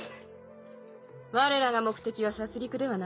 われらが目的は殺りくではない。